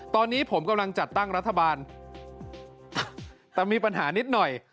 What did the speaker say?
ตอนนี้ผมกำลังจัดตั้งรัฐบาลแต่มีปัญหานิดหน่อย